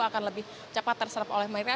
akan lebih cepat terserap oleh maria